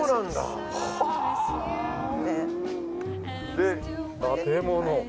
で建物。